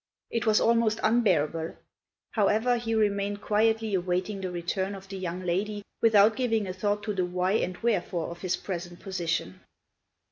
It was almost unbearable; however, he remained quietly awaiting the return of the young lady without giving a thought to the why and wherefore of his present position.